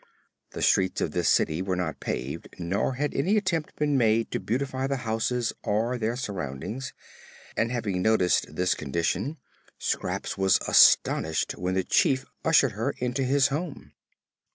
The streets of this city were not paved nor had any attempt been made to beautify the houses or their surroundings, and having noticed this condition Scraps was astonished when the Chief ushered her into his home.